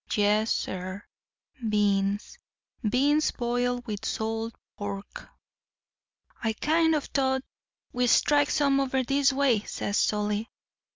Yes, sir, beans—beans boiled with salt pork. "'I kind of thought we'd strike some over this way,' says Solly.